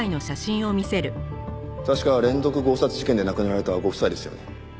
確か連続強殺事件で亡くなられたご夫妻ですよね。